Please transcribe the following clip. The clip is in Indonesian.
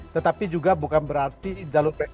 tetapi juga bukan berarti jalur prestasi dan jalur pepindahan